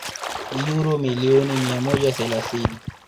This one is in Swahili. uro milioni mia moja thelathini